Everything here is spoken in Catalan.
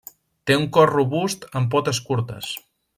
Té un cos robust amb potes curtes.